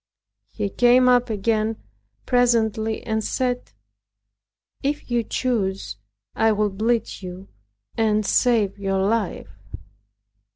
He came up again presently and said, "If you choose, I will bleed you, and save your life."